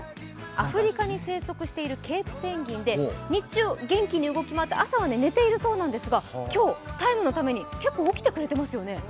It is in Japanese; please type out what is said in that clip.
アフリカに生息しているケープペンギンで日中元気に動き回って朝は寝ているそうなんですが、今日「ＴＩＭＥ，」のために結構起きてくれてますよね。